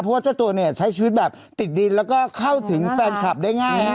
เพราะว่าเจ้าตัวเนี่ยใช้ชีวิตแบบติดดินแล้วก็เข้าถึงแฟนคลับได้ง่าย